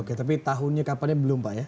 oke tapi tahunnya kapan ya belum pak ya